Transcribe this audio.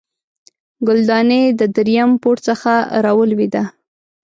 ګلدانۍ د دریم پوړ څخه راولوېده